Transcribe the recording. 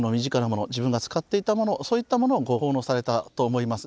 自分が使っていたものそういったものをご奉納されたと思います。